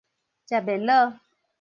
食袂落